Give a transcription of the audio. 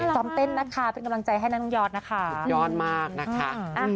ซ้อมเต้นนะคะเป็นกำลังใจให้นะน้องยอดนะคะสุดยอดมากนะคะ